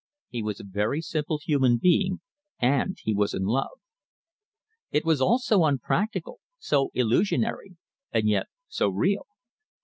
He was a very simple human being, and he was in love. It was all so unpractical, so illusionary, and yet so real.